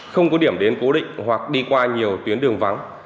không có điểm đến cố định hoặc đi qua nhiều tuyến đường vắng